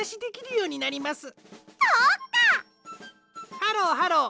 ハローハロー